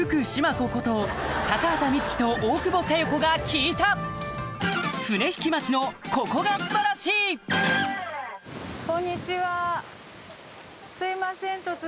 子こと高畑充希と大久保佳代子が聞いたどうも。